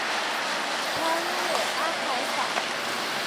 它拥有阿海珐。